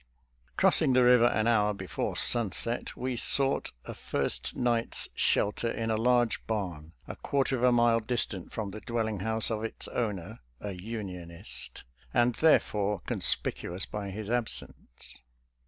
••• Crossing the river an hour before sunset, we sought a first night's shelter in a large barn, a quarter of a mile distant from the dwelling house of its owner — a Unionist, and therefore conspicuous by his absence.